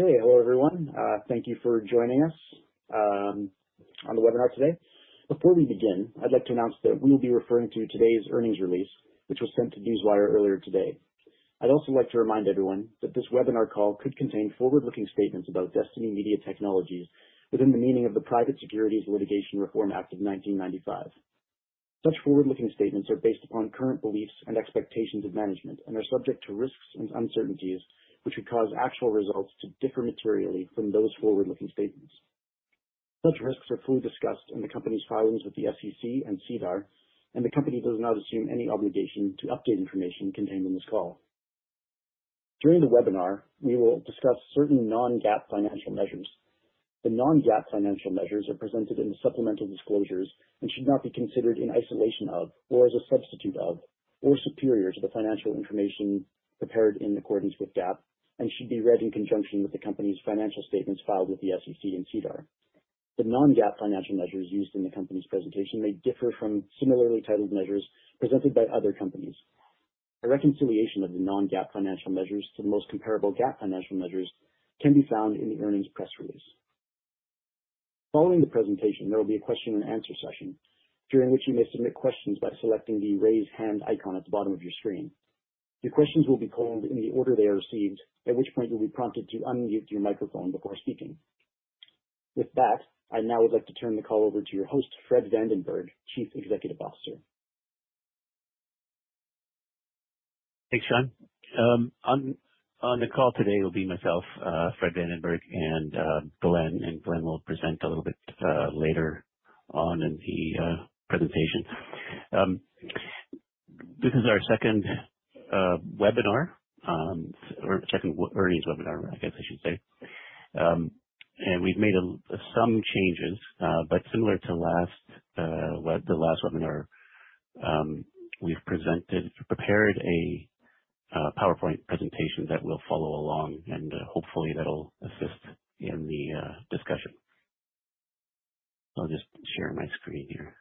Hey, hello everyone. Thank you for joining us on the webinar today. Before we begin, I'd like to announce that we will be referring to today's earnings release, which was sent to Newswire earlier today. I'd also like to remind everyone that this webinar call could contain forward-looking statements about Destiny Media Technologies within the meaning of the Private Securities Litigation Reform Act of 1995. Such forward-looking statements are based upon current beliefs and expectations of management and are subject to risks and uncertainties, which could cause actual results to differ materially from those forward-looking statements. Such risks are fully discussed in the company's filings with the SEC and SEDAR, and the company does not assume any obligation to update information contained on this call. During the webinar, we will discuss certain non-GAAP financial measures. The non-GAAP financial measures are presented in supplemental disclosures and should not be considered in isolation of, or as a substitute of, or superior to the financial information prepared in accordance with GAAP, and should be read in conjunction with the company's financial statements filed with the SEC and SEDAR. The non-GAAP financial measures used in the company's presentation may differ from similarly titled measures presented by other companies. A reconciliation of the non-GAAP financial measures to the most comparable GAAP financial measures can be found in the earnings press release. Following the presentation, there will be a question and answer session, during which you may submit questions by selecting the Raise Hand icon at the bottom of your screen. Your questions will be called in the order they are received, at which point you'll be prompted to unmute your microphone before speaking. With that, I now would like to turn the call over to your host, Fred Vandenberg, Chief Executive Officer. Thanks, Sean. On the call today will be myself, Fred Vandenberg, and Glenn, and Glenn will present a little bit later on in the presentation. This is our second webinar or second earnings webinar, I guess I should say. We've made some changes, but similar to the last webinar, we've prepared a PowerPoint presentation that we'll follow along, and hopefully that'll assist in the discussion. I'll just share my screen here.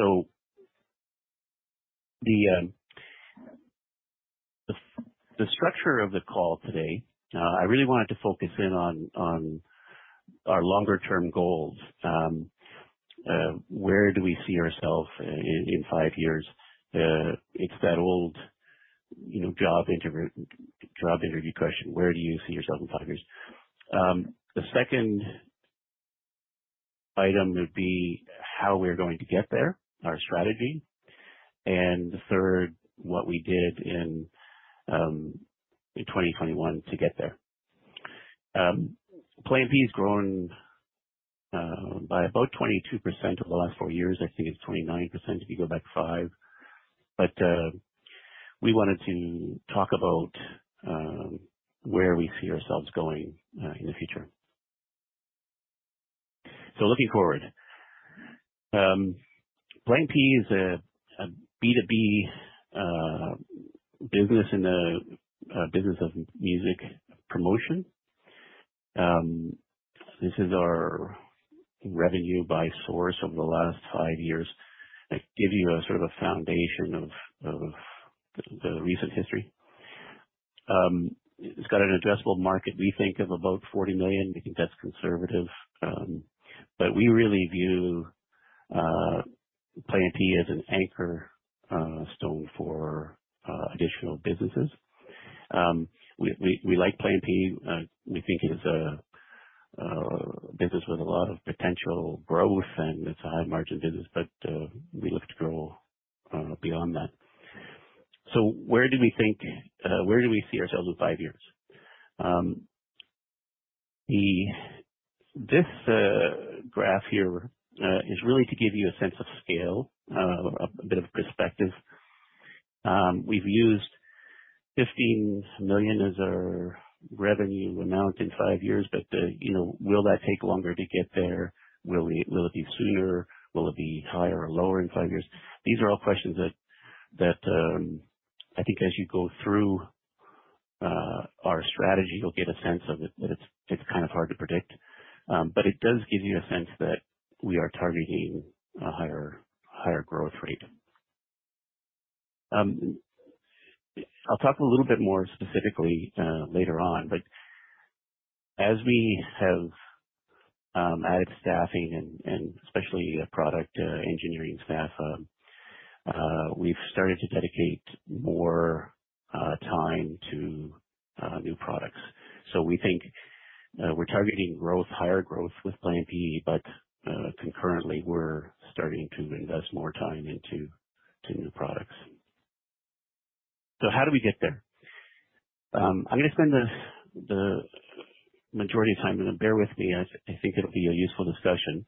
Okay. The structure of the call today, I really wanted to focus in on our longer term goals. Where do we see ourself in five years? It's that old, you know, job interview question. Where do you see yourself in five years? The second item would be how we're going to get there, our strategy. The third, what we did in 2021 to get there. Play MPE has grown by about 22% over the last four years. I think it's 29% if you go back five. We wanted to talk about where we see ourselves going in the future. Looking forward. Play MPE is a B2B business in the business of music promotion. This is our revenue by source over the last five years. It gives you a sort of a foundation of the recent history. It's got an addressable market, we think of about $40 million. We think that's conservative, but we really view Play MPE as an anchor stone for additional businesses. We like Play MPE. We think it is a business with a lot of potential growth, and it's a high margin business, but we look to grow beyond that. Where do we see ourselves in five years? This graph here is really to give you a sense of scale, a bit of perspective. We've used $15 million as our revenue amount in five years, but you know, will that take longer to get there? Will it be sooner? Will it be higher or lower in five years? These are all questions that I think as you go through our strategy, you'll get a sense of it, that it's kind of hard to predict. It does give you a sense that we are targeting a higher growth rate. I'll talk a little bit more specifically later on, but as we have added staffing and especially product engineering staff, we've started to dedicate more time to new products. We think we're targeting higher growth with Play MPE, but concurrently, we're starting to invest more time into new products. How do we get there? I'm gonna spend the majority of time, and bear with me as I think it'll be a useful discussion,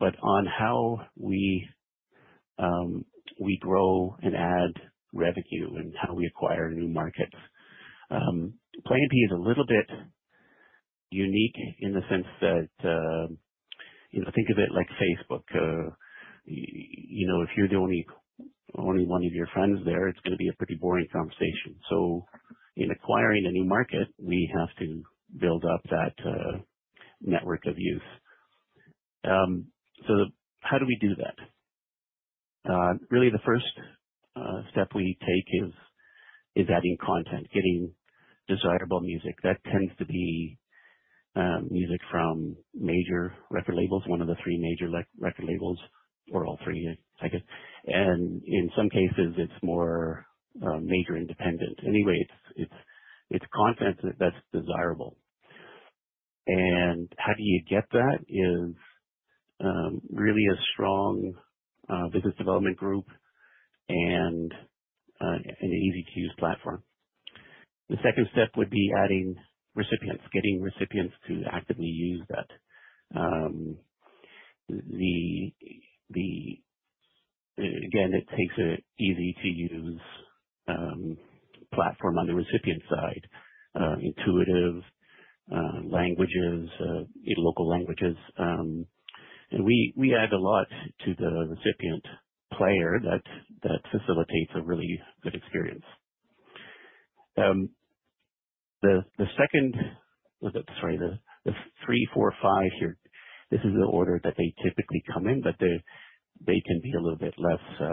but on how we grow and add revenue and how we acquire new markets. Play MPE is a little bit unique in the sense that you know, think of it like Facebook. You know, if you're the only one of your friends there, it's gonna be a pretty boring conversation. In acquiring a new market, we have to build up that network of youth. How do we do that? Really the first step we take is adding content, getting desirable music. That tends to be music from major record labels, one of the three major record labels or all three, I guess. In some cases it's more major independent. Anyway, it's content that's desirable. How do you get that is really a strong business development group and an easy-to-use platform. The second step would be adding recipients, getting recipients to actively use that. It takes an easy-to-use platform on the recipient side, intuitive languages, local languages. We add a lot to the recipient player that facilitates a really good experience. The three, four, five here. This is the order that they typically come in, but they can be a little bit less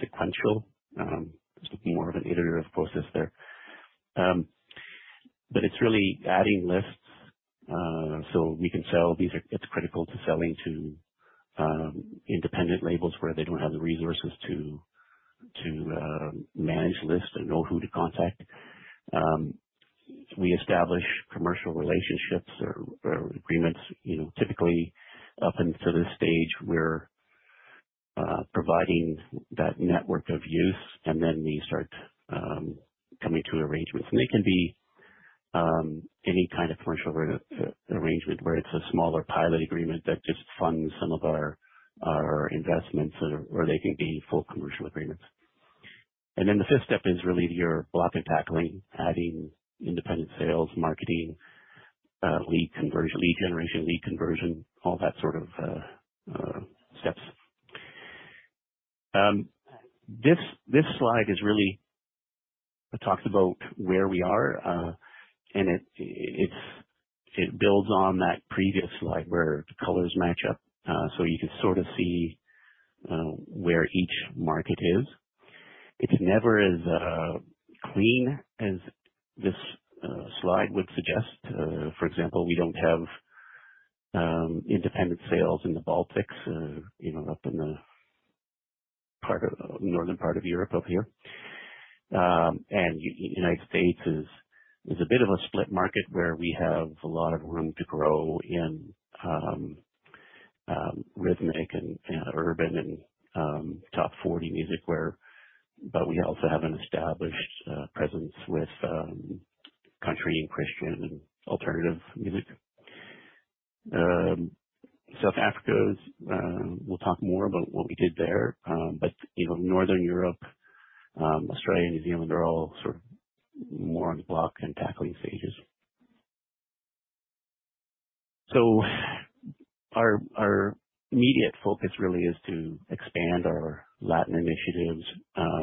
sequential. There's more of an iterative process there. It's really adding lists so we can sell. These are critical to selling to independent labels where they don't have the resources to manage lists and know who to contact. We establish commercial relationships or agreements. You know, typically up until this stage, we're providing that network of use and then we start coming to arrangements. They can be any kind of commercial arrangement where it's a smaller pilot agreement that just funds some of our investments, or they can be full commercial agreements. Then the fifth step is really your block and tackling, adding independent sales, marketing, lead conversion, lead generation, lead conversion, all that sort of steps. This slide really talks about where we are, and it builds on that previous slide where the colors match up, so you can sort of see where each market is. It's never as clean as this slide would suggest. For example, we don't have independent sales in the Baltics, you know, up in the northern part of Europe up here. U.S. is a bit of a split market where we have a lot of room to grow in rhythmic and urban and Top 40 music. We also have an established presence with country and Christian and alternative music. South Africa is. We'll talk more about what we did there. You know, Northern Europe, Australia, New Zealand are all sort of more on the blocking and tackling stages. Our immediate focus really is to expand our Latin initiatives.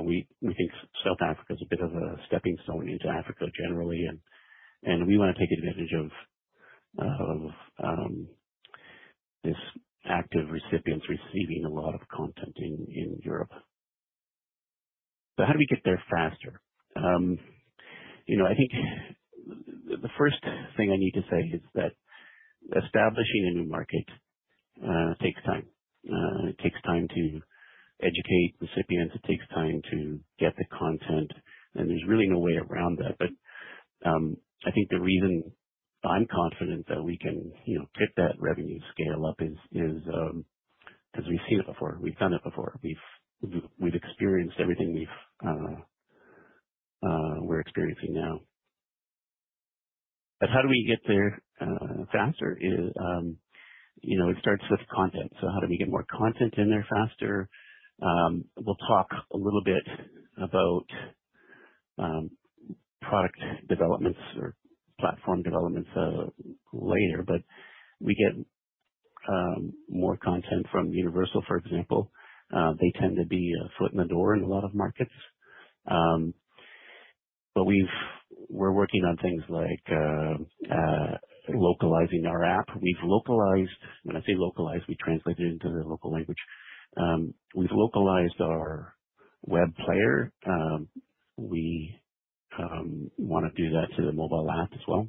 We think South Africa is a bit of a stepping stone into Africa generally. We wanna take advantage of these active recipients receiving a lot of content in Europe. How do we get there faster? You know, I think the first thing I need to say is that establishing a new market takes time. It takes time to educate recipients. It takes time to get the content, and there's really no way around that. I think the reason I'm confident that we can, you know, get that revenue scale up is because we've seen it before, we've done it before. We've experienced everything we're experiencing now. How do we get there faster is, you know, it starts with content. How do we get more content in there faster? We'll talk a little bit about product developments or platform developments later. We get more content from Universal, for example. They tend to be a foot in the door in a lot of markets. We're working on things like localizing our app. We've localized. When I say localized, we translate it into their local language. We've localized our web player. We wanna do that to the mobile app as well.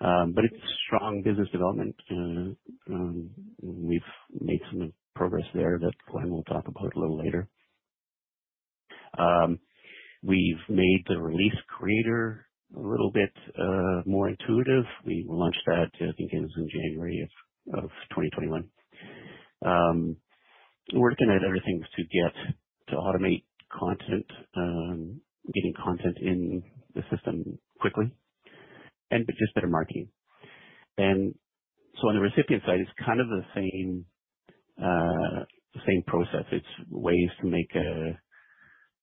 It's strong business development. We've made some progress there that Glennn will talk about a little later. We've made the Release Creator a little bit more intuitive. We launched that, I think it was in January of 2021. We're working out everything to automate content, getting content in the system quickly and just better marketing. On the recipient side, it's kind of the same process. It's ways to make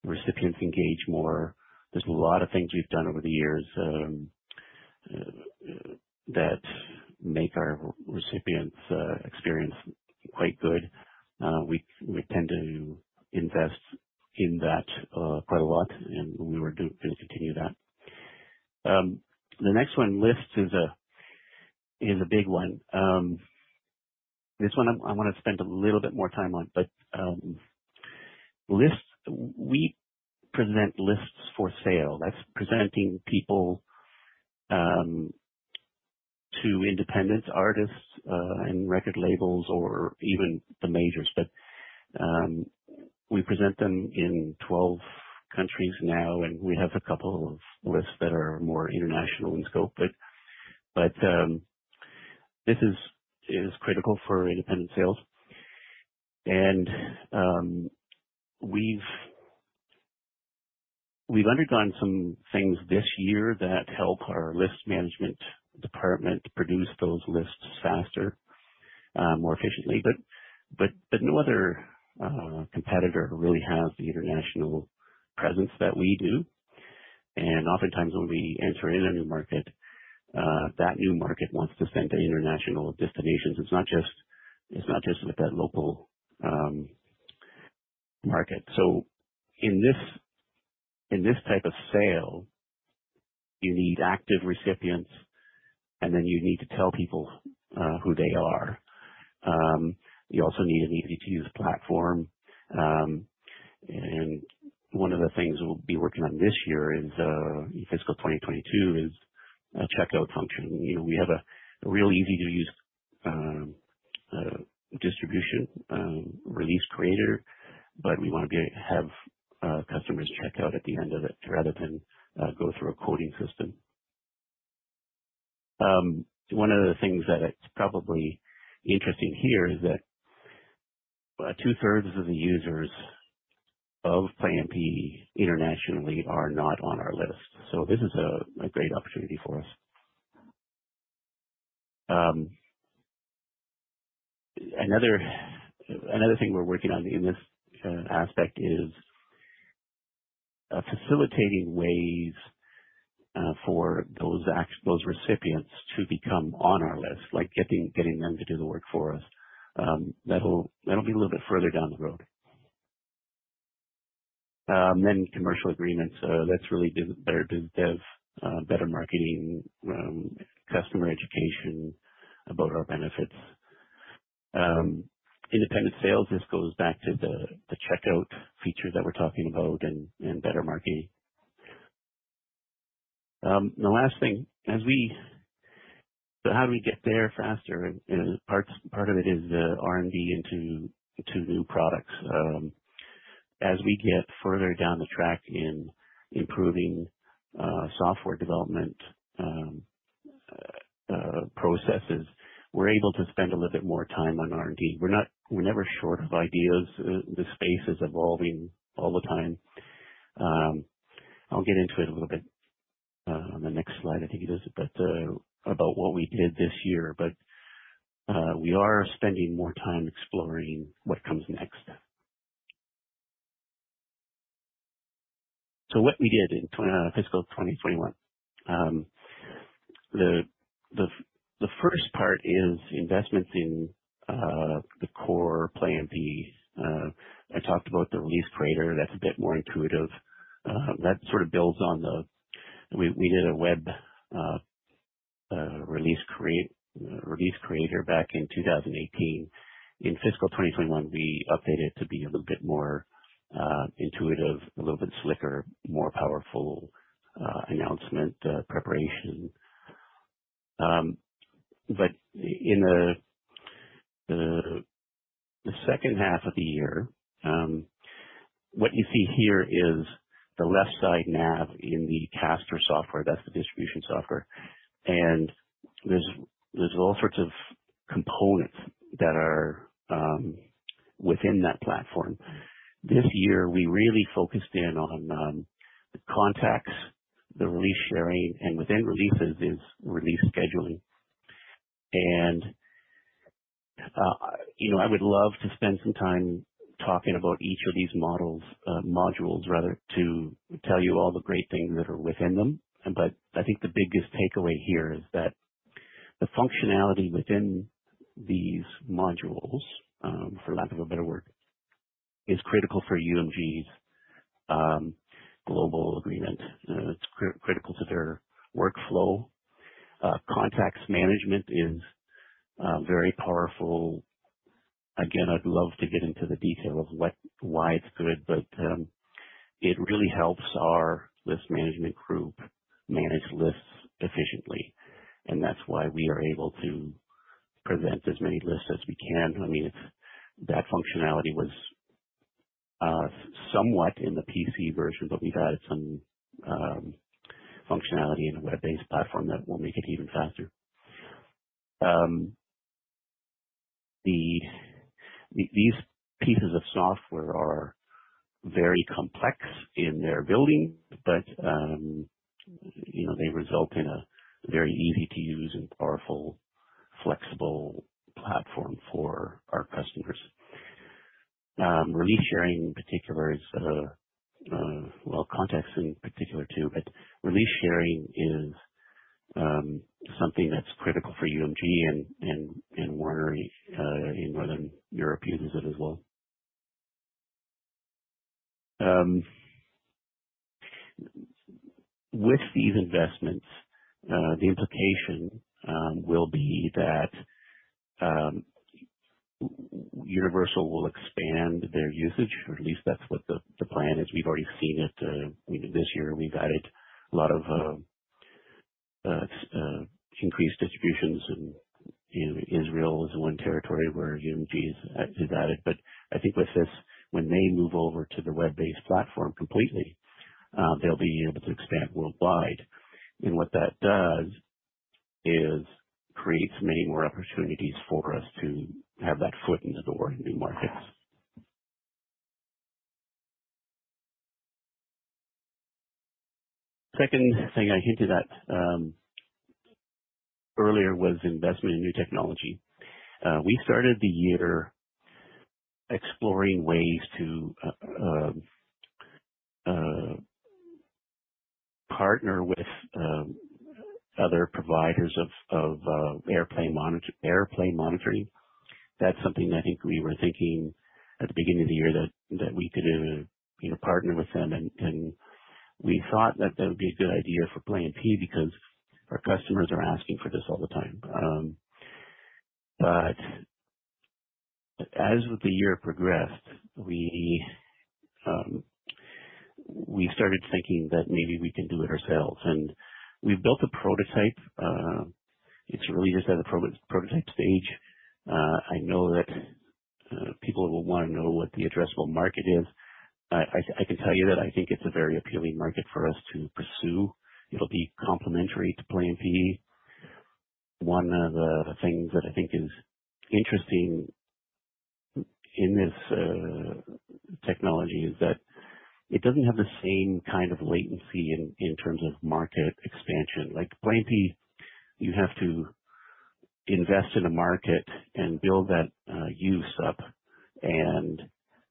recipients engage more. There's a lot of things we've done over the years that make our recipients experience quite good. We tend to invest in that quite a lot, and we're gonna continue that. The next one, lists, is a big one. This one I want to spend a little bit more time on. Lists, we present lists for sale. That's presenting people to independent artists and record labels or even the majors. We present them in 12 countries now, and we have a couple of lists that are more international in scope. This is critical for independent sales. We've undergone some things this year that help our list management department produce those lists faster, more efficiently. No other competitor really has the international presence that we do. Oftentimes when we enter in a new market, that new market wants to send to international destinations. It's not just with that local market. In this type of sale, you need active recipients, and then you need to tell people who they are. You also need an easy-to-use platform. One of the things we'll be working on this year is, in fiscal 2022, a checkout function. You know, we have a real easy-to-use distribution Release Creator, but we want to have customers check out at the end of it rather than go through a coding system. One of the things that is probably interesting here is that two-thirds of the users of Play MPE internationally are not on our list, so this is a great opportunity for us. Another thing we're working on in this aspect is facilitating ways for those recipients to become on our list, like getting them to do the work for us. That'll be a little bit further down the road. Commercial agreements. That's really better biz dev, better marketing, customer education about our benefits. Independent sales just goes back to the checkout feature that we're talking about and better marketing. The last thing. How do we get there faster? Part of it is the R&D into new products. As we get further down the track in improving software development processes, we're able to spend a little bit more time on R&D. We're never short of ideas. The space is evolving all the time. I'll get into it a little bit on the next slide, I think it is, but about what we did this year. We are spending more time exploring what comes next. What we did in fiscal 2021. The first part is investments in the core Play MPE. I talked about the Release Creator. That's a bit more intuitive. That sort of builds on. We did a web Release Creator back in 2018. In fiscal 2021, we updated it to be a little bit more intuitive, a little bit slicker, more powerful announcement preparation. In the second half of the year, what you see here is the left side nav in the Caster software, that's the distribution software. There's all sorts of components that are within that platform. This year we really focused in on the contacts, the release sharing, and within releases is release scheduling. You know, I would love to spend some time talking about each of these models, modules rather, to tell you all the great things that are within them. I think the biggest takeaway here is that the functionality within these modules, for lack of a better word, is critical for UMG's global agreement. It's critical to their workflow. Contacts management is very powerful. Again, I'd love to get into the detail of why it's good, but it really helps our list management group manage lists efficiently, and that's why we are able to present as many lists as we can. I mean, that functionality was somewhat in the PC version, but we've added some functionality in a web-based platform that will make it even faster. These pieces of software are very complex in their building, but you know, they result in a very easy-to-use and powerful, flexible platform for our customers. Release sharing in particular is, well, contacts in particular too, but release sharing is something that's critical for UMG and Warner in Northern Europe uses it as well. With these investments, the implication will be that Universal will expand their usage, or at least that's what the plan is. We've already seen it. You know, this year we've added a lot of increased distributions. You know, Israel is one territory where UMG is added. I think with this, when they move over to the web-based platform completely, they'll be able to expand worldwide. What that does is creates many more opportunities for us to have that foot in the door in new markets. Second thing I hinted at earlier was investment in new technology. We started the year exploring ways to partner with other providers of airplay monitoring. That's something I think we were thinking at the beginning of the year that we could, you know, partner with them. We thought that that would be a good idea for Play MPE because our customers are asking for this all the time. As the year progressed, we started thinking that maybe we can do it ourselves. We've built a prototype. It's really just at a prototype stage. I know that people will wanna know what the addressable market is. I can tell you that I think it's a very appealing market for us to pursue. It'll be complementary to Play MPE. One of the things that I think is interesting in this technology is that it doesn't have the same kind of latency in terms of market expansion. Like, Play MPE, you have to invest in a market and build that user base, and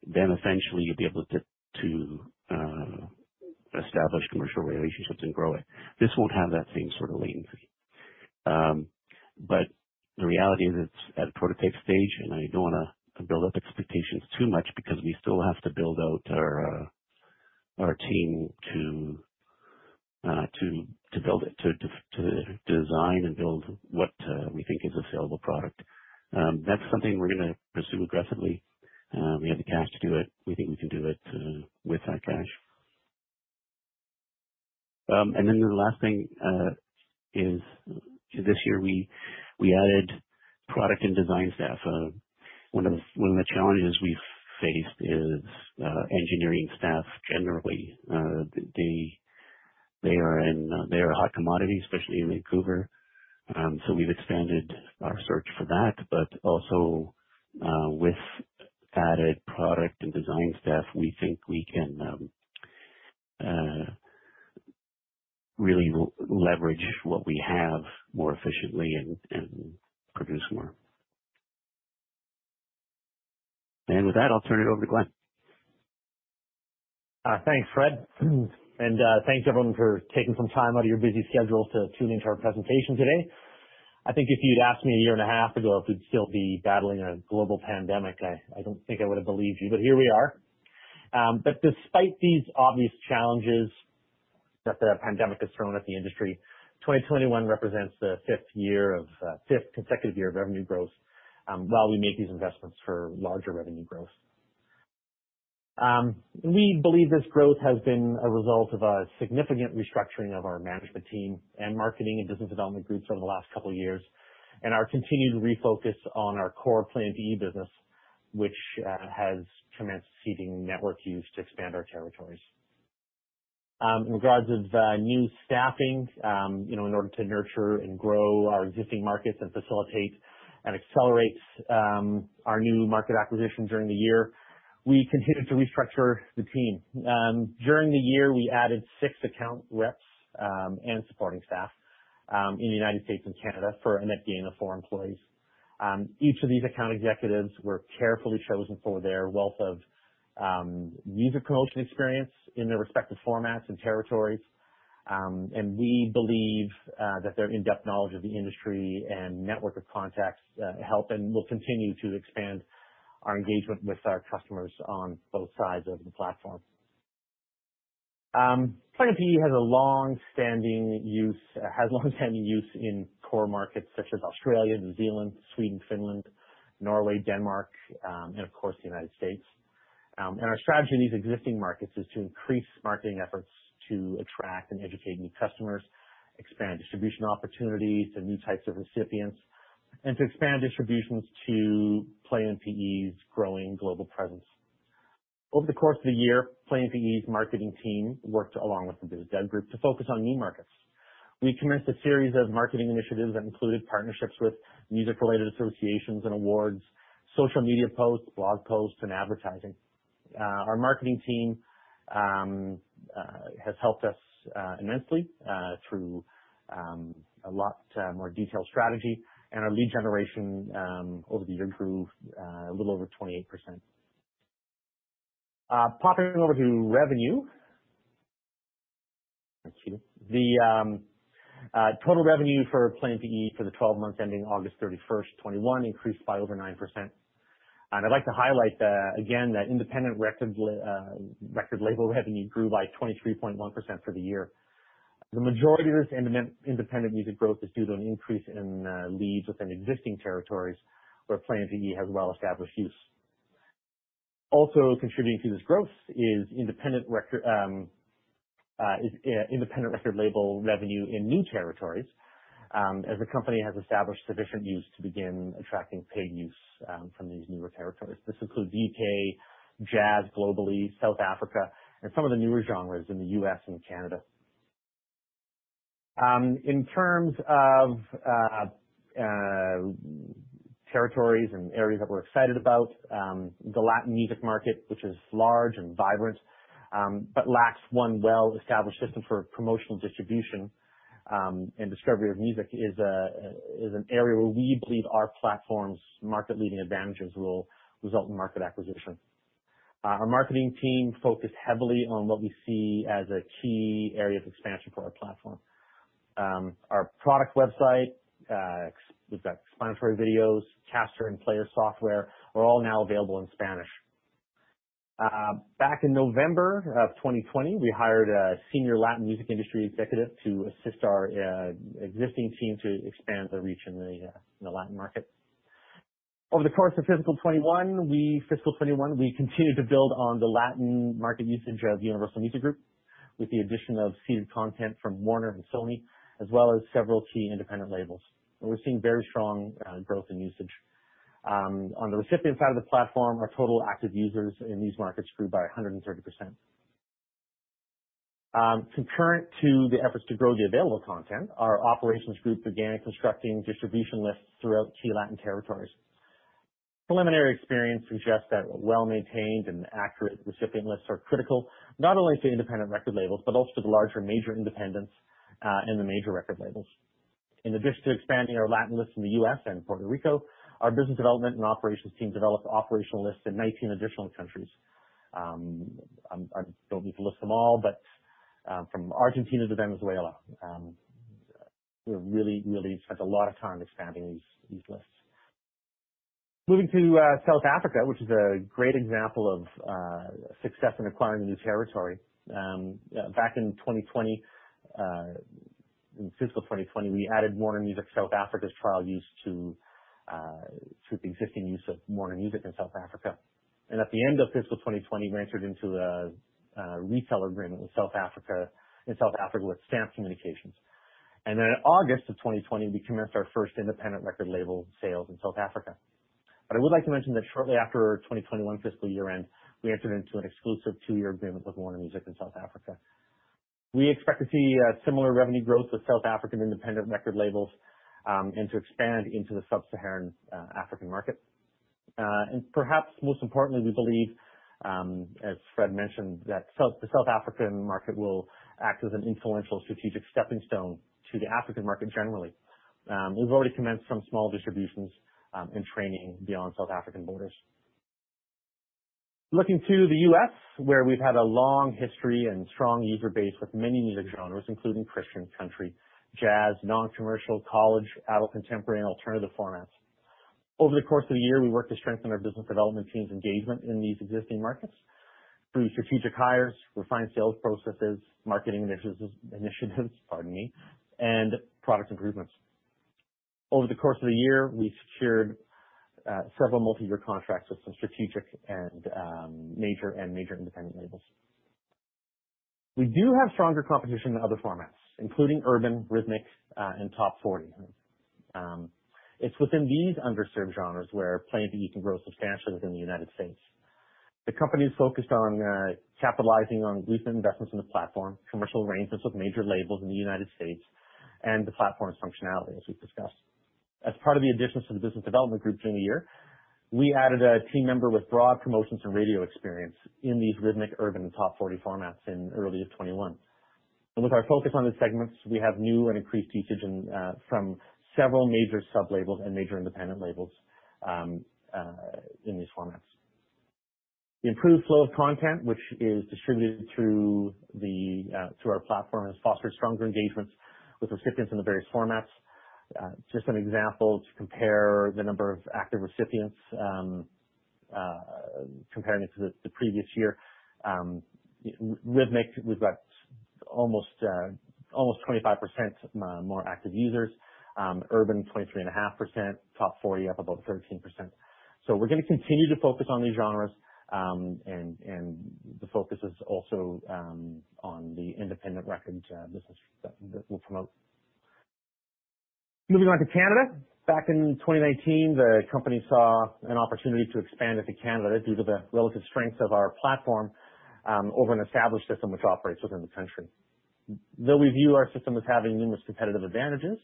then eventually you'll be able to establish commercial relationships and grow it. This won't have that same sort of latency. The reality is it's at a prototype stage, and I don't wanna build up expectations too much because we still have to build out our team to build it, to design and build what we think is a sellable product. That's something we're gonna pursue aggressively. We have the cash to do it. We think we can do it with that cash. The last thing is this year we added product and design staff. One of the challenges we faced is engineering staff generally. They are a hot commodity, especially in Vancouver. We've expanded our search for that, but also, with added product and design staff, we think we can really leverage what we have more efficiently and produce more. With that, I'll turn it over to Glennn. Thanks, Fred. Thanks, everyone, for taking some time out of your busy schedule to tune into our presentation today. I think if you'd asked me a year and a half ago if we'd still be battling a global pandemic, I don't think I would have believed you, but here we are. Despite these obvious challenges that the pandemic has thrown at the industry, 2021 represents the fifth consecutive year of revenue growth while we make these investments for larger revenue growth. We believe this growth has been a result of a significant restructuring of our management team and marketing and business development groups over the last couple years, and our continued refocus on our core Play MPE business, which has commenced seeding network use to expand our territories. In regards to new staffing, you know, in order to nurture and grow our existing markets and facilitate and accelerate our new market acquisitions during the year, we continued to restructure the team. During the year, we added six account reps and supporting staff in the U.S. and Canada for a net gain of four employees. Each of these account executives were carefully chosen for their wealth of music promotion experience in their respective formats and territories. We believe that their in-depth knowledge of the industry and network of contacts help and will continue to expand our engagement with our customers on both sides of the platform. Play MPE has long-standing use in core markets such as Australia, New Zealand, Sweden, Finland, Norway, Denmark and of course, the U.S.. Our strategy in these existing markets is to increase marketing efforts to attract and educate new customers, expand distribution opportunities to new types of recipients, and to expand distributions to Play MPE's growing global presence. Over the course of the year, Play MPE's marketing team worked along with the business dev group to focus on new markets. We commenced a series of marketing initiatives that included partnerships with music-related associations and awards, social media posts, blog posts, and advertising. Our marketing team has helped us immensely through a lot more detailed strategy and our lead generation over the year improved a little over 28%. Popping over to revenue. The total revenue for Play MPE for the 12 months ending August 31, 2021 increased by over 9%. I'd like to highlight that again, that independent record label revenue grew by 23.1% for the year. The majority of this independent music growth is due to an increase in leads within existing territories where Play MPE has well-established use. Also contributing to this growth is independent record label revenue in new territories, as the company has established sufficient use to begin attracting paid use from these newer territories. This includes U.K., Asia, South Africa, and some of the newer genres in the U.S. and Canada. In terms of territories and areas that we're excited about, the Latin music market, which is large and vibrant, but lacks one well-established system for promotional distribution and discovery of music is an area where we believe our platform's market-leading advantages will result in market acquisition. Our marketing team focused heavily on what we see as a key area of expansion for our platform. Our product website, we've got explanatory videos, Caster and Player software are all now available in Spanish. Back in November of 2020, we hired a senior Latin music industry executive to assist our existing team to expand the reach in the Latin market. Over the course of fiscal 2021, we... Fiscal 2021, we continued to build on the Latin market usage of Universal Music Group with the addition of seeded content from Warner and Sony, as well as several key independent labels. We're seeing very strong growth in usage. On the recipient side of the platform, our total active users in these markets grew by 130%. Concurrent to the efforts to grow the available content, our operations group began constructing distribution lists throughout key Latin territories. Preliminary experience suggests that well-maintained and accurate recipient lists are critical, not only to independent record labels, but also to the larger, major independents, and the major record labels. In addition to expanding our Latin lists in the U.S. and Puerto Rico, our business development and operations team developed operational lists in 19 additional countries. I don't need to list them all, but from Argentina to Venezuela, we really spent a lot of time expanding these lists. Moving to South Africa, which is a great example of success in acquiring a new territory. Back in 2020, in fiscal 2020, we added Warner Music South Africa's trial use to the existing use of Warner Music in South Africa. At the end of fiscal 2020, we entered into a reseller agreement in South Africa with Stamp Communications. In August of 2020, we commenced our first independent record label sales in South Africa. I would like to mention that shortly after our 2021 fiscal year-end, we entered into an exclusive two-year agreement with Warner Music in South Africa. We expect to see similar revenue growth with South African independent record labels and to expand into the Sub-Saharan African market. Perhaps most importantly, we believe as Fred mentioned that the South African market will act as an influential strategic stepping stone to the African market generally. We've already commenced some small distributions and training beyond South African borders. Looking to the U.S., where we've had a long history and strong user base with many music genres, including Christian, country, jazz, non-commercial, college, adult, contemporary, and alternative formats. Over the course of the year, we worked to strengthen our business development team's engagement in these existing markets through strategic hires, refined sales processes, marketing initiatives, pardon me, and product improvements. Over the course of the year, we secured several multi-year contracts with some strategic and major independent labels. We do have stronger competition than other formats, including urban, rhythmic, and Top 40. It's within these underserved genres where Play MPE can grow substantially within the U.S.. The company is focused on capitalizing on recent investments in the platform, commercial arrangements with major labels in the U.S., and the platform's functionality, as we've discussed. As part of the additions to the business development group during the year, we added a team member with broad promotions and radio experience in these rhythmic, urban, Top 40 formats in early 2021. With our focus on these segments, we have new and increased usage from several major sub-labels and major independent labels in these formats. The improved flow of content, which is distributed through our platform, has fostered stronger engagements with recipients in the various formats. Just some examples compare the number of active recipients, comparing it to the previous year. Rhythmic, we've got almost 25% more active users. Urban, 23.5%. Top 40, up about 13%. We're gonna continue to focus on these genres, and the focus is also on the independent records business that we'll promote. Moving on to Canada. Back in 2019, the company saw an opportunity to expand into Canada due to the relative strengths of our platform over an established system which operates within the country. Though we view our system as having numerous competitive advantages,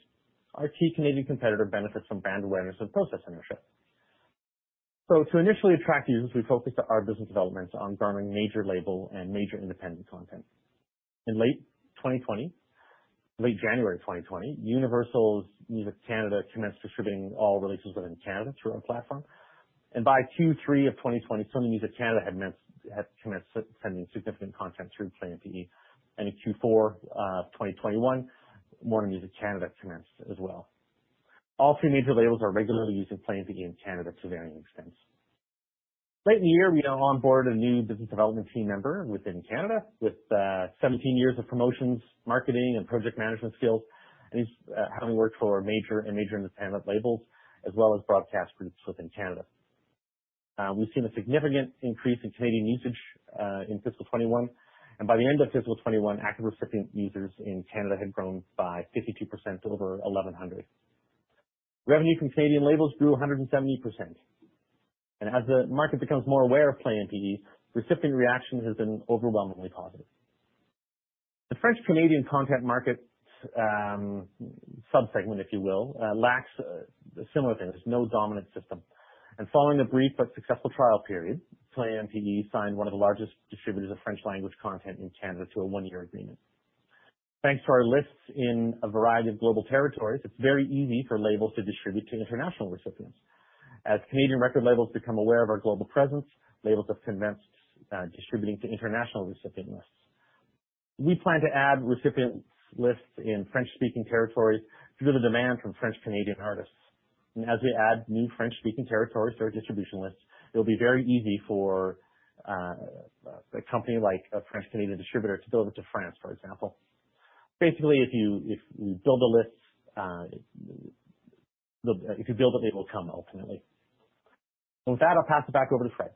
our key Canadian competitor benefits from brand awareness and process inertia. To initially attract users, we focused our business development on garnering major label and major independent content. In Late January 2020, Universal Music Canada commenced distributing all releases within Canada through our platform. By Q3 of 2020, Sony Music Canada had commenced sending significant content through Play MPE. In Q4 of 2021, Warner Music Canada commenced as well. All three major labels are regularly using Play MPE in Canada to varying extents. Late in the year, we onboard a new business development team member within Canada with 17 years of promotions, marketing and project management skills, and he's having worked for major and independent labels as well as broadcast groups within Canada. We've seen a significant increase in Canadian usage in fiscal 2021. By the end of fiscal 2021, active recipient users in Canada had grown by 52% to over 1,100. Revenue from Canadian labels grew 170%. As the market becomes more aware of Play MPE, recipient reaction has been overwhelmingly positive. The French-Canadian content market subsegment, if you will, lacks similar things. There's no dominant system. Following the brief but successful trial period, Play MPE signed one of the largest distributors of French language content in Canada to a one-year agreement. Thanks to our lists in a variety of global territories, it's very easy for labels to distribute to international recipients. As Canadian record labels become aware of our global presence, labels have commenced distributing to international recipient lists. We plan to add recipient lists in French-speaking territories due to the demand from French-Canadian artists. As we add new French-speaking territories to our distribution lists, it'll be very easy for a company like a French-Canadian distributor to build it to France, for example. Basically, if you build it, they will come, ultimately. With that, I'll pass it back over to Fred.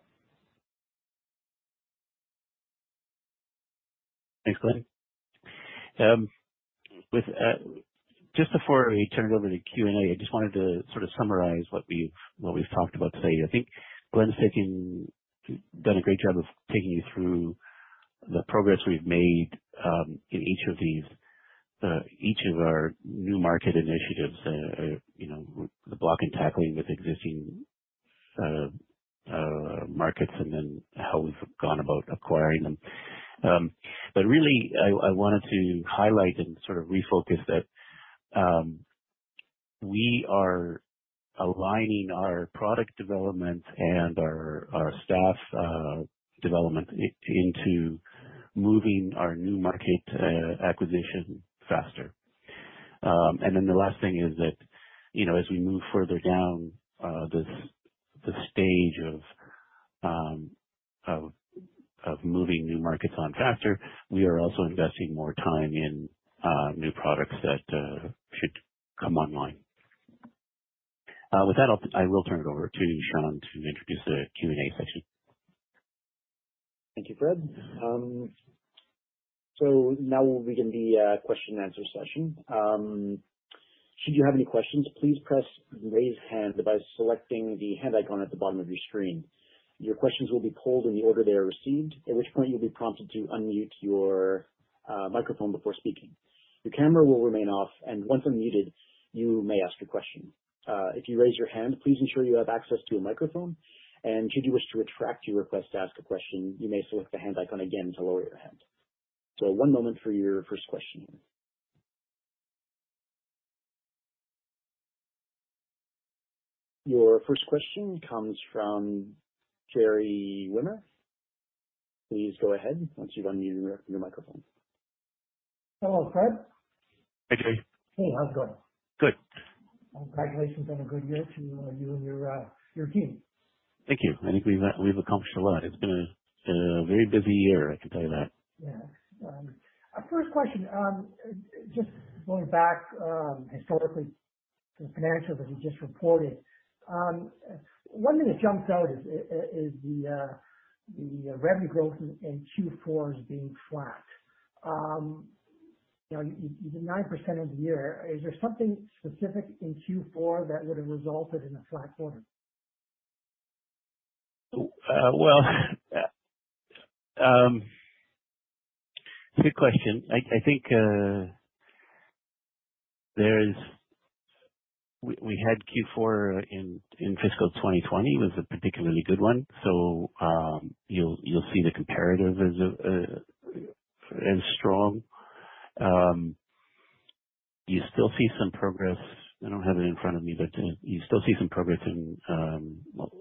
Thanks, Glenn. Just before we turn it over to Q&A, I just wanted to sort of summarize what we've talked about today. I think Glenn's done a great job of taking you through the progress we've made in each of our new market initiatives, you know, the block and tackling with existing markets and then how we've gone about acquiring them. Really I wanted to highlight and sort of refocus that we are aligning our product development and our staff development into moving our new market acquisition faster. The last thing is that, you know, as we move further down, this, the stage of moving new markets on faster, we are also investing more time in, new products that, should come online. With that, I will turn it over to Sean to introduce the Q&A session. Thank you, Fred. Now we'll begin the question and answer session. Should you have any questions, please raise hand by selecting the hand icon at the bottom of your screen. Your questions will be called in the order they are received, at which point you'll be prompted to unmute your microphone before speaking. Your camera will remain off, and once unmuted, you may ask a question. If you raise your hand, please ensure you have access to a microphone, and should you wish to retract your request to ask a question, you may select the hand icon again to lower your hand. One moment for your first question. Your first question comes from Gerry Wimmer. Please go ahead once you've unmuted your microphone. Hello, Fred. Hi, Gerry. Hey, how's it going? Good. Congratulations on a good year to you and your team. Thank you. I think we've accomplished a lot. It's been a very busy year, I can tell you that. Yeah. First question, just going back, historically to the financials that you just reported. One thing that jumps out is the revenue growth in Q4 as being flat. You know, the 9% over the year. Is there something specific in Q4 that would have resulted in a flat quarter? Well, good question. I think there's— We had Q4 in fiscal 2020 was a particularly good one. You'll see the comparative as strong. You still see some progress. I don't have it in front of me, but you still see some progress in well,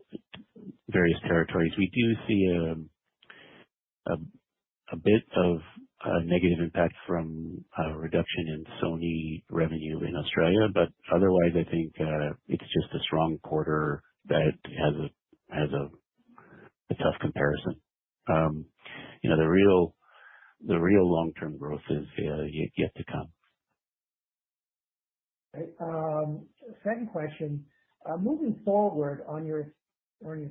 various territories. We do see a bit of a negative impact from a reduction in Sony revenue in Australia, but otherwise I think it's just a strong quarter that has a tough comparison. You know, the real long-term growth is yet to come. Great. Second question. Moving forward on your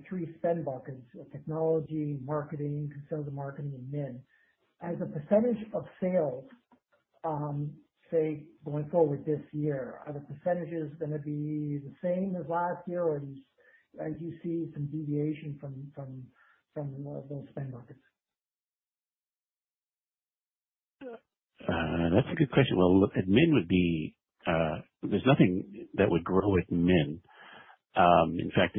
three spend buckets, technology, marketing, consumer marketing and admin, as a percentage of sales, say going forward this year, are the percentages gonna be the same as last year? Or do you see some deviation from those spend buckets? That's a good question. Well, look, admin would be, there's nothing that would grow with admin. In fact,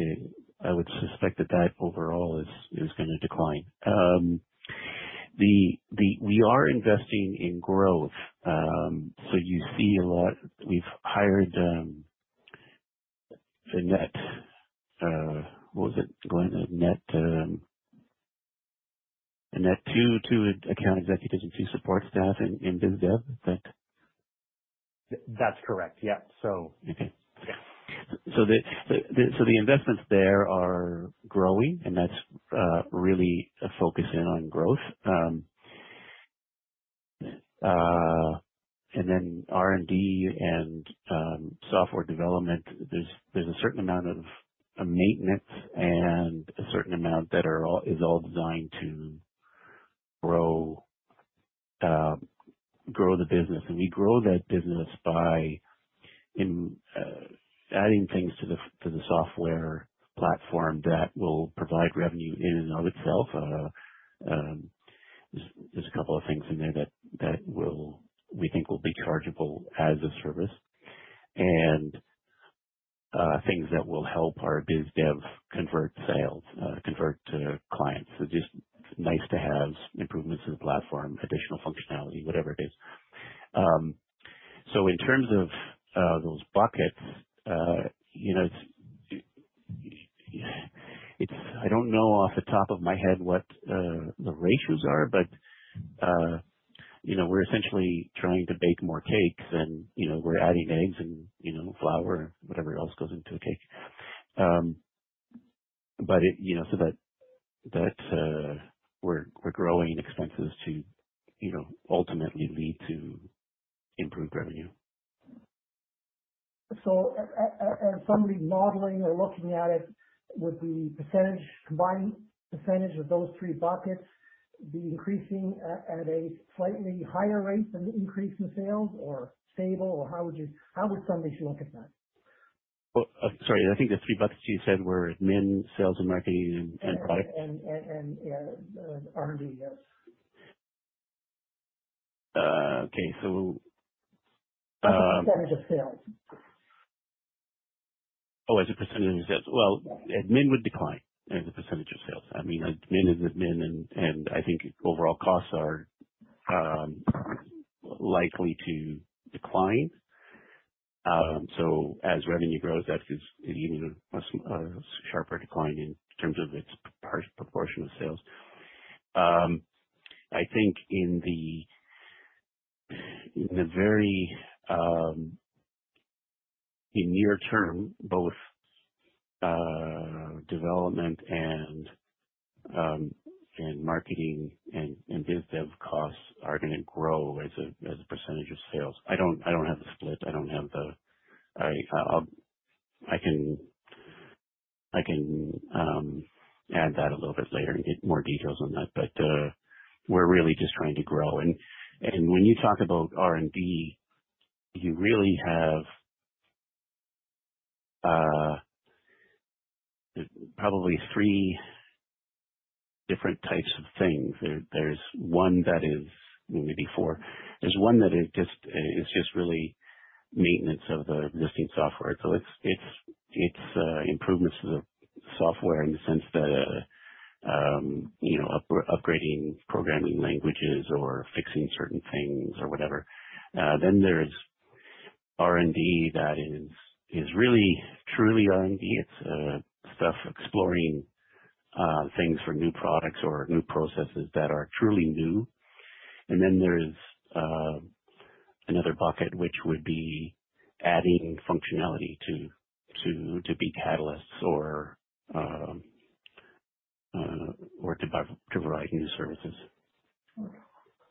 I would suspect that overall is gonna decline. We are investing in growth. You see a lot. We've hired a net two account executives and two support staff in biz dev. Is that- That's correct. Yeah. So. Okay. Yeah. The investments there are growing, and that's really a focus in on growth. R&D and software development, there's a certain amount of maintenance and a certain amount that is all designed to grow the business. We grow that business by adding things to the software platform that will provide revenue in and of itself. There's a couple of things in there that we think will be chargeable as a service. Things that will help our biz dev convert sales to clients. Just nice to have improvements to the platform, additional functionality, whatever it is. In terms of those buckets, you know, it's. I don't know off the top of my head what the ratios are, but you know, we're essentially trying to bake more cakes and you know, we're adding eggs and you know, flour, whatever else goes into a cake. But it you know, so that we're growing expenses to you know, ultimately lead to improved revenue. As somebody modeling or looking at it, would the percentage, combined percentage of those three buckets be increasing at a slightly higher rate than the increase in sales or stable, or how would somebody look at that? Well, sorry. I think the three buckets you said were admin, sales and marketing, and product. Yeah, R&D. Yes. Okay. As a percentage of sales. As a percentage of sales. Well, admin would decline as a percentage of sales. I mean, admin is admin, and I think overall costs are likely to decline. So as revenue grows, that is even a sharper decline in terms of its proportion of sales. I think in the very near term, both development and marketing and biz dev costs are gonna grow as a percentage of sales. I don't have the split. I'll add that a little bit later and get more details on that. We're really just trying to grow. When you talk about R&D, you really have probably three different types of things. There's one that is maybe four. There's one that is just really maintenance of the existing software. It's improvements to the software in the sense that, you know, upgrading programming languages or fixing certain things or whatever. There's R&D that is really, truly R&D. It's stuff exploring things for new products or new processes that are truly new. There's another bucket which would be adding functionality to the Caster or to provide new services.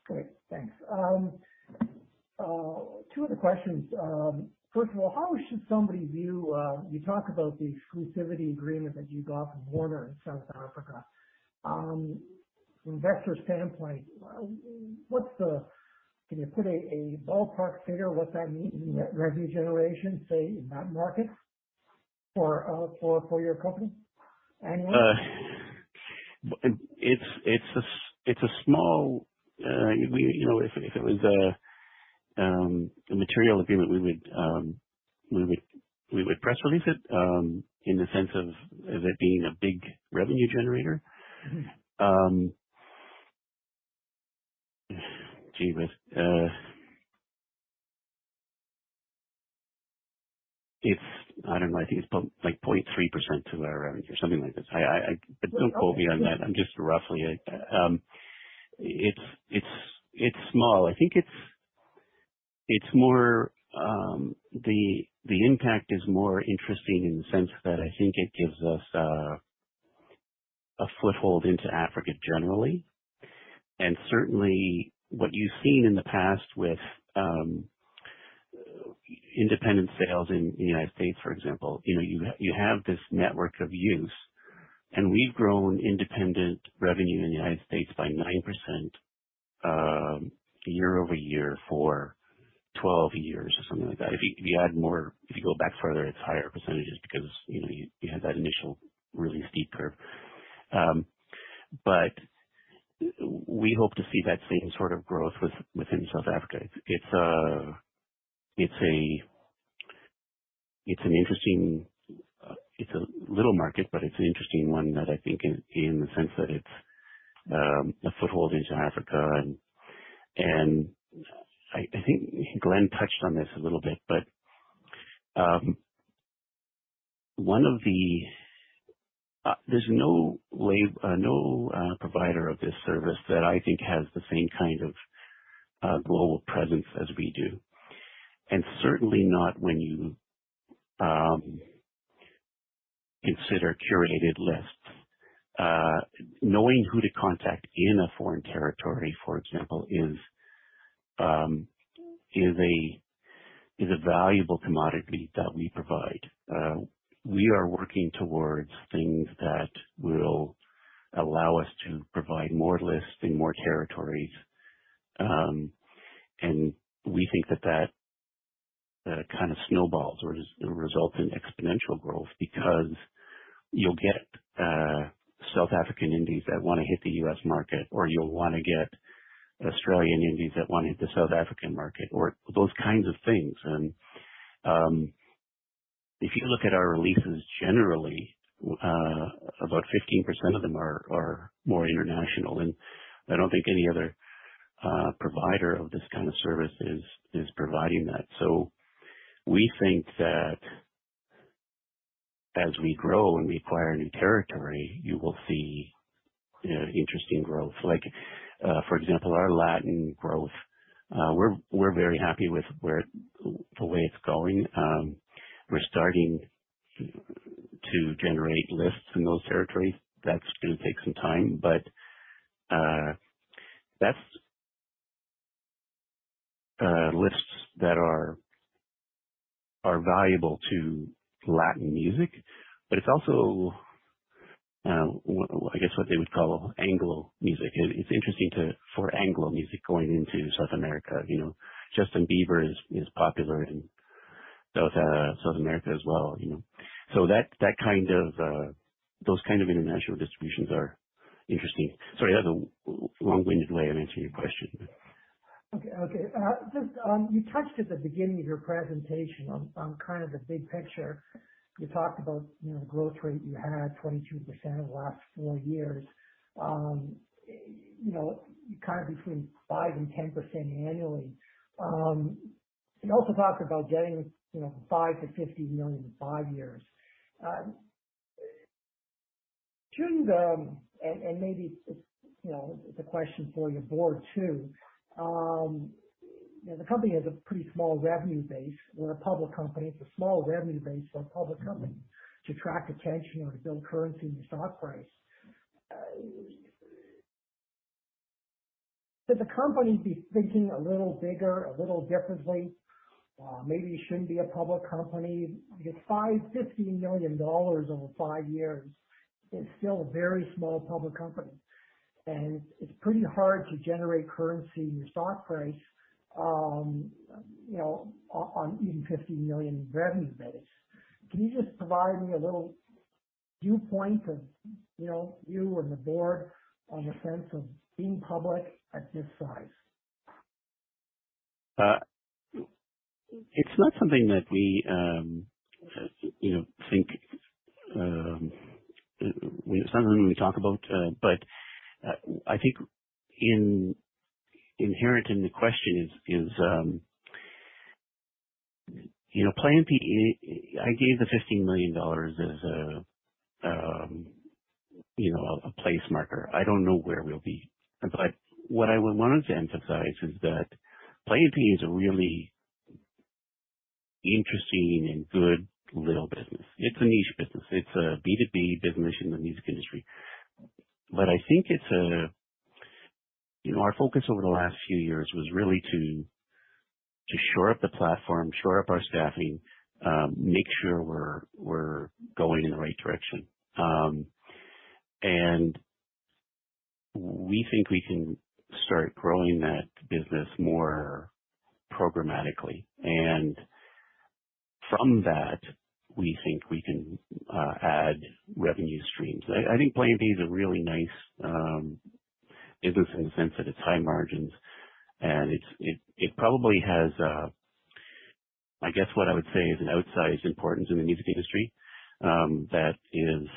Great. Thanks. Two other questions. First of all, how should somebody view you talk about the exclusivity agreement that you got with Warner Music South Africa. From investor standpoint, what's the Can you put a ballpark figure what that means in net revenue generation, say, in that market for your company annually? It's a small, you know, if it was a material agreement, we would press release it in the sense of it being a big revenue generator. Mm-hmm. I don't know. I think it's about like 0.3% to our average or something like this. Okay. Don't quote me on that. I'm just roughly. It's small. I think it's more, the impact is more interesting in the sense that I think it gives us a foothold into Africa generally. Certainly what you've seen in the past with independent sales in the U.S., for example, you know, you have this network of use, and we've grown independent revenue in the U.S. by 9% year-over-year for 12 years or something like that. If you add more, if you go back further, it's higher percentages because, you know, you have that initial really steep curve. We hope to see that same sort of growth within South Africa. It's an interesting. It's a little market, but it's an interesting one that I think in the sense that it's a foothold into Africa. I think Glenn touched on this a little bit, but there's no provider of this service that I think has the same kind of global presence as we do, and certainly not when you consider curated lists. Knowing who to contact in a foreign territory, for example, is a valuable commodity that we provide. We are working towards things that will allow us to provide more lists in more territories. We think that kind of snowballs or just results in exponential growth because you'll get South African indies that wanna hit the U.S. market, or you'll wanna get Australian indies that wanna hit the South African market or those kinds of things. If you look at our releases generally, about 15% of them are more international, and I don't think any other provider of this kind of service is providing that. We think that as we grow and we acquire a new territory, you will see interesting growth. Like, for example, our Latin growth, we're very happy with the way it's going. We're starting to generate lists in those territories. That's gonna take some time, but that's lists that are valuable to Latin music, but it's also I guess what they would call Anglo music. It's interesting for Anglo music going into South America. You know, Justin Bieber is popular in South America as well, you know. That kind of those kind international distributions are interesting. Sorry, that's a long-winded way of answering your question. Just, you touched at the beginning of your presentation on kind of the big picture. You talked about, you know, growth rate you had, 22% over the last four years. You know, kind of between 5%-10% annually. You also talked about getting, you know, $5 million-$50 million in five years. Shouldn't the, and maybe it's, you know, it's a question for your board too. You know, the company has a pretty small revenue base. We're a public company. It's a small revenue base for a public company to attract attention or to build currency in your stock price. Should the company be thinking a little bigger, a little differently? Maybe you shouldn't be a public company. Because $50 million over five years is still a very small public company, and it's pretty hard to generate currency in your stock price, you know, on even 50 million revenue base. Can you just provide me a little viewpoint of, you know, you and the board on the sense of being public at this size? It's not something that we, you know, think, you know, something we talk about, but I think inherent in the question is Play MPE. I gave the $50 million as a, you know, a place marker. I don't know where we'll be. What I would want to emphasize is that Play MPE is a really interesting and good little business. It's a niche business. It's a B2B business in the music industry. I think it's a. You know, our focus over the last few years was really to shore up the platform, shore up our staffing, make sure we're going in the right direction. We think we can start growing that business more programmatically. From that, we think we can add revenue streams. I think Play MPE is a really nice business in the sense that it's high margins and it's probably has I guess what I would say is an outsized importance in the music industry that is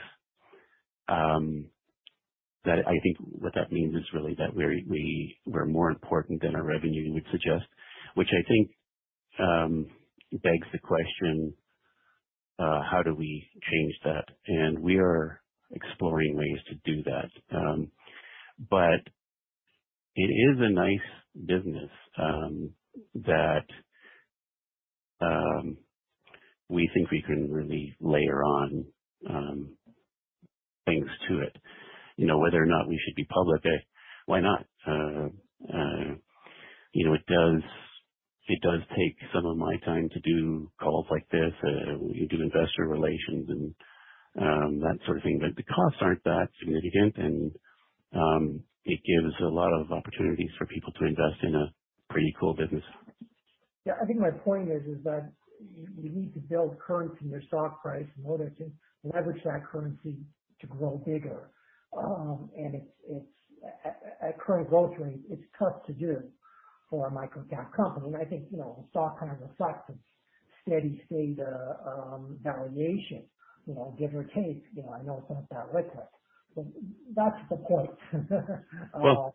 that I think what that means is really that we're more important than our revenue would suggest. Which I think begs the question how do we change that? We are exploring ways to do that. It is a nice business that we think we can really layer on things to it. You know, whether or not we should be public, why not? You know, it does take some of my time to do calls like this. I do investor relations and that sort of thing, but the costs aren't that significant, and it gives a lot of opportunities for people to invest in a pretty cool business. Yeah, I think my point is that you need to build currency in your stock price in order to leverage that currency to grow bigger. It's at current growth rate, it's tough to do for a microcap company. I think, you know, the stock kind of reflects a steady state valuation, you know, give or take. You know, I know it's not that liquid. That's the point. Well-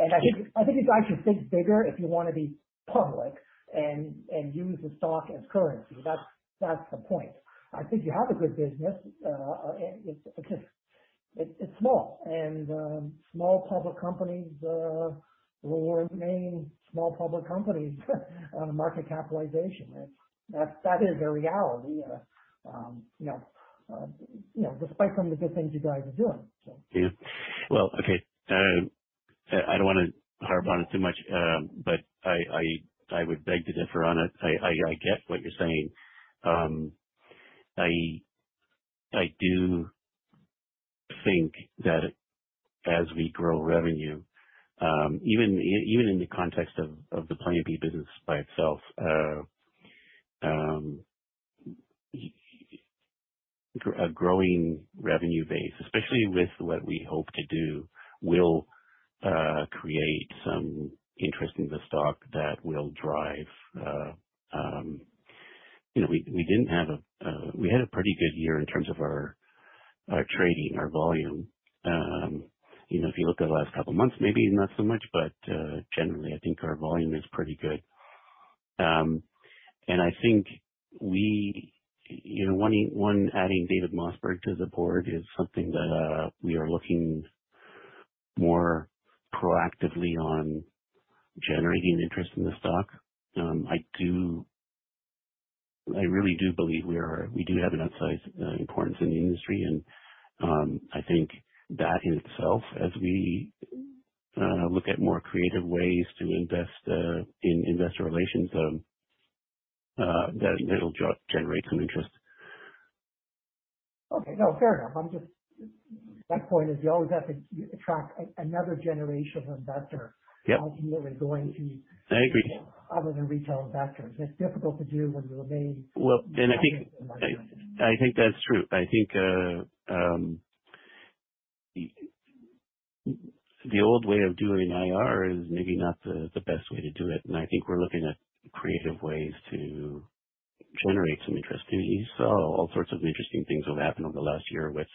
I think you guys should think bigger if you wanna be public and use the stock as currency. That's the point. I think you have a good business. It's small. Small public companies will remain small public companies on the market capitalization. That's the reality. Despite some of the good things you guys are doing. Yeah. Well, okay. I don't wanna harp on it too much. I would beg to differ on it. I get what you're saying. I do think that as we grow revenue, even in the context of the Play B business by itself, a growing revenue base, especially with what we hope to do, will create some interest in the stock that will drive. You know, we had a pretty good year in terms of our trading, our volume. You know, if you look at the last couple of months, maybe not so much. Generally, I think our volume is pretty good. I think we. You know, adding David Mosberg to the board is something that we are looking more proactively on generating interest in the stock. I really do believe we do have an outsized importance in the industry, and I think that in itself, as we look at more creative ways to invest in investor relations, that it'll generate some interest. Okay. No, fair enough. I'm just. My point is, you always have to attract another generation of investors. Yep. -ideally going to you- I agree. other than retail investors. It's difficult to do when you remain. Well, I think. Small in market capitalization. I think that's true. I think the old way of doing IR is maybe not the best way to do it. I think we're looking at creative ways to generate some interest. You saw all sorts of interesting things have happened over the last year with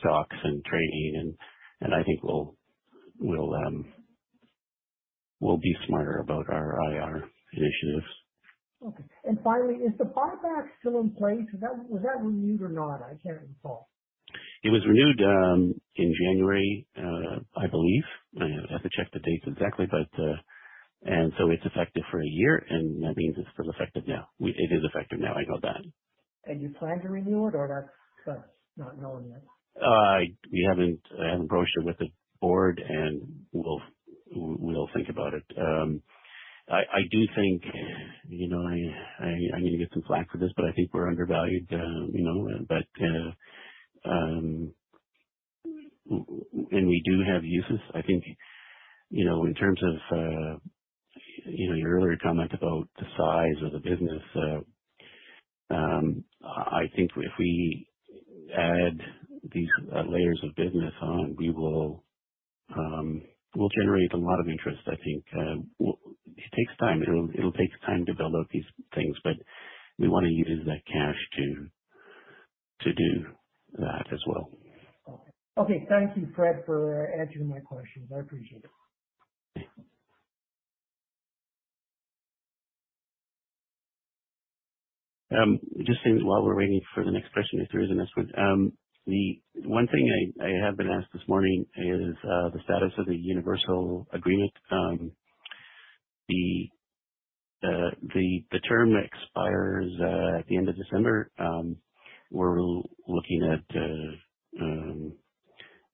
stocks and trading, and I think we'll be smarter about our IR initiatives. Okay. Finally, is the buyback still in place? Was that renewed or not? I can't recall. It was renewed in January, I believe. I'd have to check the dates exactly, but it's effective for a year, and that means it's still effective now. It is effective now. I know that. You plan to renew it or that's not known yet? We haven't. I haven't broached it with the board, and we'll think about it. I do think, you know, I'm gonna get some flak for this, but I think we're undervalued, you know. When we do have uses, I think, you know, in terms of your earlier comment about the size of the business, I think if we add these layers of business on, we'll generate a lot of interest, I think. It takes time. It'll take time to build out these things, but we wanna use that cash to do that as well. Okay. Thank you, Fred, for answering my questions. I appreciate it. Just while we're waiting for the next question, if there is a next one. The one thing I have been asked this morning is the status of the Universal agreement. The term expires at the end of December. We're looking at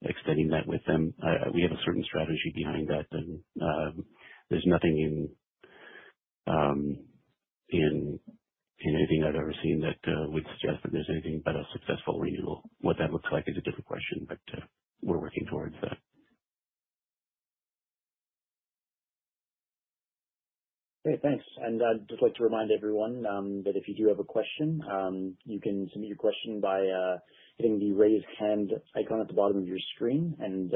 extending that with them. We have a certain strategy behind that. There's nothing in anything I've ever seen that would suggest that there's anything but a successful renewal. What that looks like is a different question, but we're working towards that. Great. Thanks. I'd just like to remind everyone that if you do have a question, you can submit your question by hitting the Raise Hand icon at the bottom of your screen and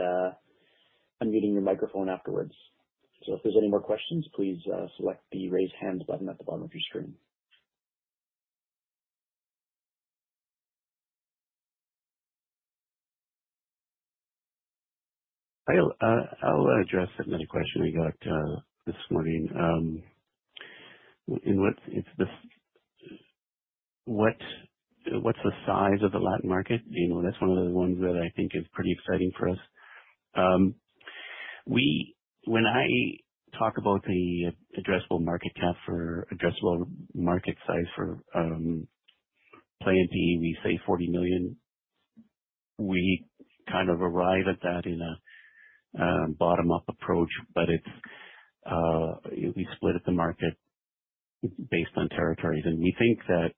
unmuting your microphone afterwards. If there's any more questions, please select the Raise Hand button at the bottom of your screen. I'll address another question I got this morning. What's the size of the LATAM market? You know, that's one of the ones that I think is pretty exciting for us. When I talk about the addressable market size for Plan B, we say $40 million. We kind of arrive at that in a bottom-up approach. We split up the market based on territories, and we think that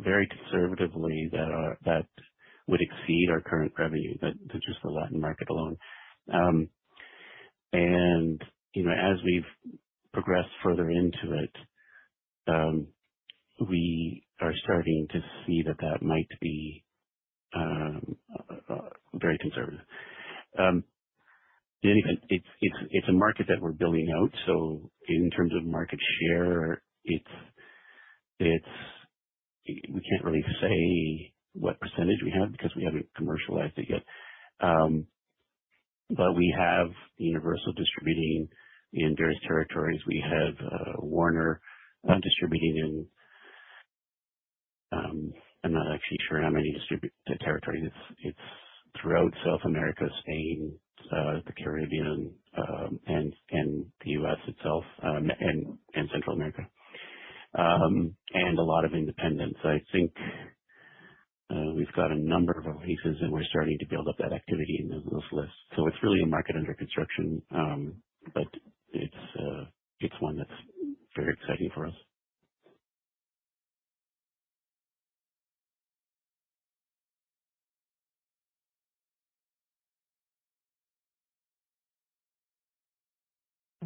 very conservatively that would exceed our current revenue. That's just the Latin market alone. You know, as we've progressed further into it, we are starting to see that that might be very conservative. It's a market that we're building out. In terms of market share, it's. We can't really say what percentage we have because we haven't commercialized it yet. But we have Universal distributing in various territories. We have Warner distributing in, I'm not actually sure how many territories. It's throughout South America, Spain, the Caribbean, and the U.S. itself, and Central America. A lot of independents. I think we've got a number of releases and we're starting to build up that activity in those lists. It's really a market under construction, but it's one that's very exciting for us.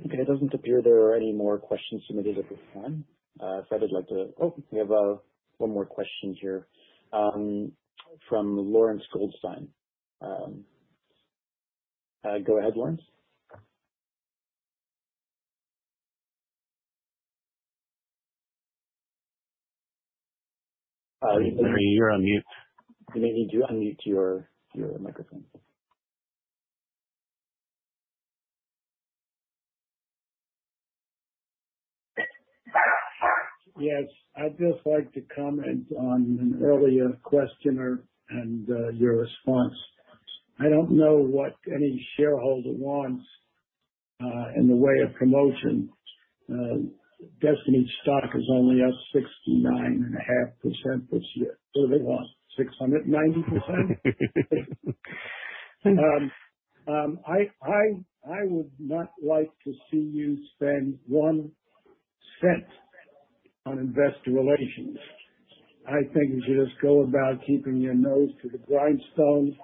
Okay. It doesn't appear there are any more questions submitted at this time. Oh, we have one more question here from Lawrence Goldstein. Go ahead, Lawrence. Larry, you're on mute. You may need to unmute your microphone. Yes. I'd just like to comment on an earlier questioner and your response. I don't know what any shareholder wants in the way of promotion. Destiny's stock is only up 69.5% this year. What do they want? 690%? I would not like to see you spend one cent on investor relations. I think you should just go about keeping your nose to the grindstone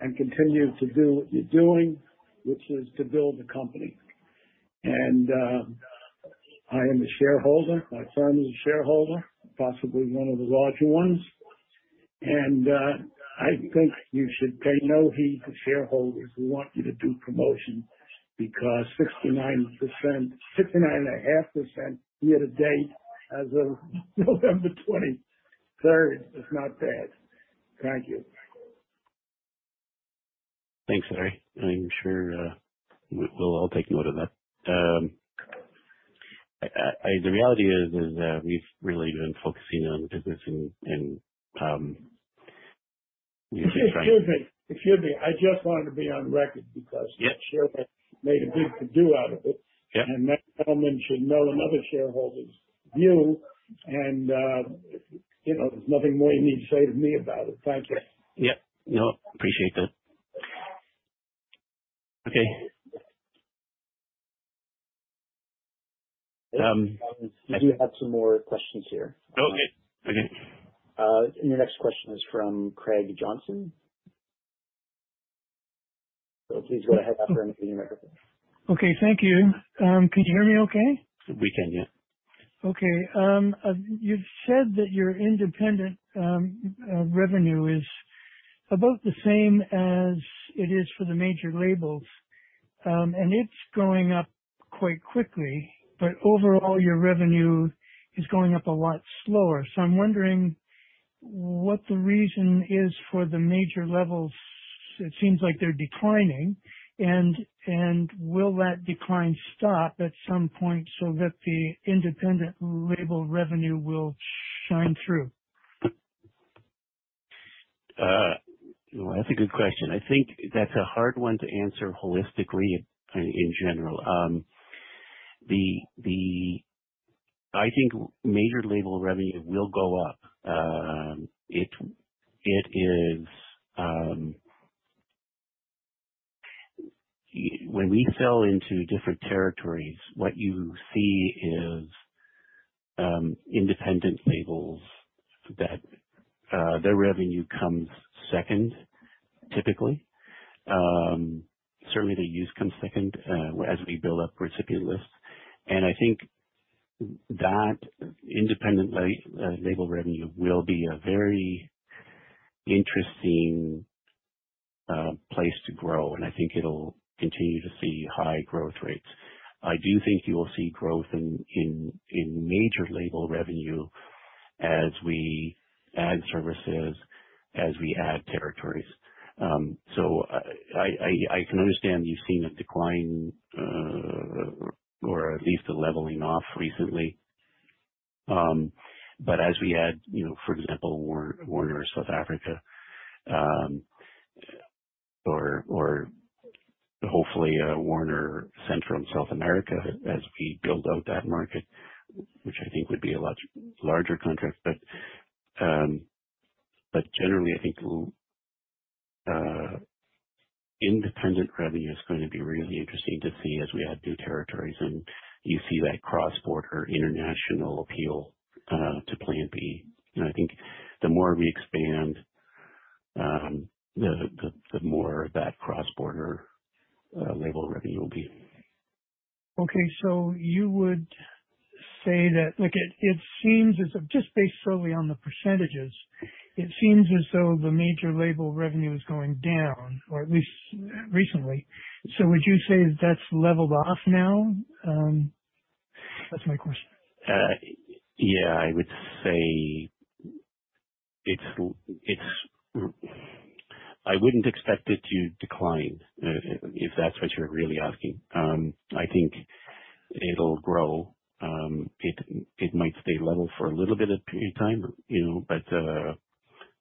and continue to do what you're doing, which is to build the company. I am a shareholder. My firm is a shareholder, possibly one of the larger ones. I think you should pay no heed to shareholders who want you to do promotion because 69%, 69.5% year to date as of November 23 is not bad. Thank you. Thanks, Larry. I'm sure we'll all take note of that. The reality is that we've really been focusing on the business and we Excuse me. Excuse me. I just wanted to be on record because. Yeah. Some shareholder made a big to-do out of it. Yeah. That gentleman should know another shareholder's view. You know, there's nothing more you need to say to me about it. Thank you. Yeah. No, appreciate that. Okay. We do have some more questions here. Oh, okay. Thank you. Your next question is from Craig Johnson. So please go ahead, operate your microphone. Okay. Thank you. Can you hear me okay? We can, yeah. Okay. You've said that your independent revenue is about the same as it is for the major labels. It's going up quite quickly, but overall your revenue is going up a lot slower. I'm wondering what the reason is for the major labels. It seems like they're declining. Will that decline stop at some point so that the independent label revenue will shine through? Well, that's a good question. I think that's a hard one to answer holistically in general. I think major label revenue will go up. When we sell into different territories, what you see is independent labels that their revenue comes second, typically. Certainly the use comes second as we build up recipient lists. I think that independent label revenue will be a very interesting place to grow, and I think it'll continue to see high growth rates. I do think you will see growth in major label revenue as we add services, as we add territories. I can understand you've seen a decline or at least a leveling off recently. As we add, you know, for example, Warner South Africa, or hopefully a Warner Central and South America as we build out that market, which I think would be a much larger contract. Generally I think we'll see independent revenue is going to be really interesting to see as we add new territories and you see that cross-border international appeal to Plan B. I think the more we expand, the more that cross-border label revenue will be. Okay. You would say that. Look, it seems as if, just based solely on the percentages, it seems as though the major label revenue is going down, or at least recently. Would you say that's leveled off now? That's my question. Yeah. I would say I wouldn't expect it to decline if that's what you're really asking. I think it'll grow. It might stay level for a little bit of time, you know, but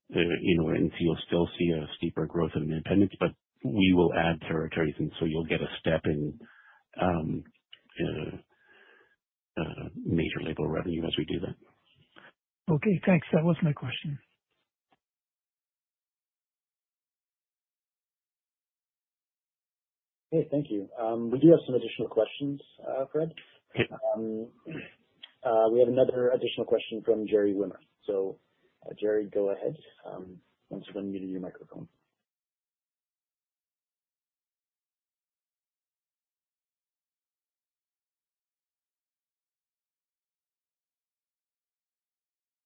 you know, and you'll still see a steeper growth in independents, but we will add territories, and so you'll get a step-up in major label revenue as we do that. Okay, thanks. That was my question. Okay, thank you. We do have some additional questions, Fred. Sure. We have another additional question from Gerry Wimmer. Gerry, go ahead, once you unmute your microphone.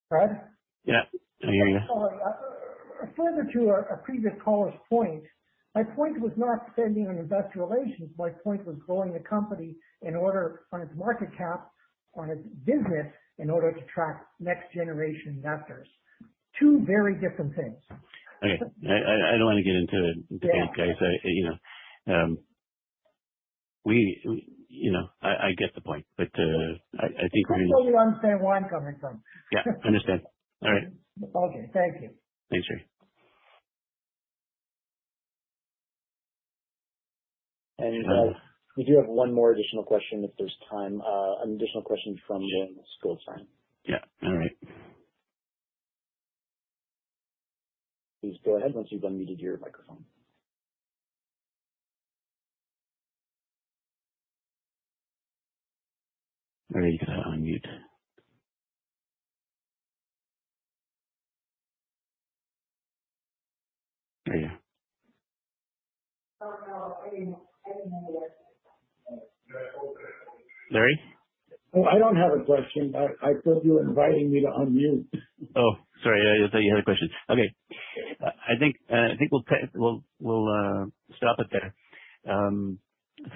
Fred? Yeah. Can you hear me? Further to our previous caller's point, my point was not spending on investor relations. My point was growing the company in order on its market cap, on its business, in order to attract next-generation investors. Two very different things. Okay. I don't want to get into it with you guys. You know. You know, I get the point, but I think we. I just want you to understand where I'm coming from. Yeah, I understand. All right. Okay. Thank you. Thanks, Gerry. We do have one more additional question if there's time. An additional question from Lawrence Goldstein. Yeah. All right. Please go ahead once you've unmuted your microphone. Larry, you gotta unmute. There you go. Oh, no. I didn't have one. Larry? Oh, I don't have a question. I thought you were inviting me to unmute. Oh, sorry. I thought you had a question. Okay. I think we'll stop it there.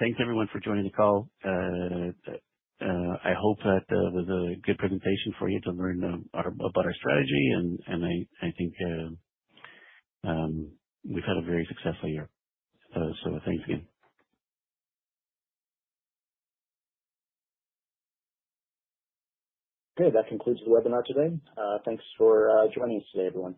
Thanks everyone for joining the call. I hope that was a good presentation for you to learn about our strategy and I think we've had a very successful year. Thanks again. Okay. That concludes the webinar today. Thanks for joining us today, everyone.